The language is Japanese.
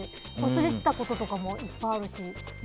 忘れてたこととかもいっぱいあるし。